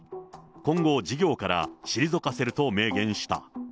今後、事業から退かせると明言した。